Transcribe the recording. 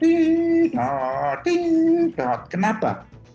ting dot ting dot kenapa